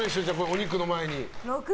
お肉の前に。